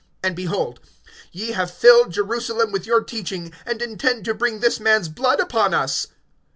And, behold, ye have filled Jerusalem with your teaching, and intend to bring this man's blood upon us.